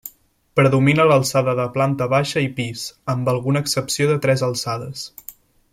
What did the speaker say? Predomina l'alçada de planta baixa i pis, amb alguna excepció de tres alçades.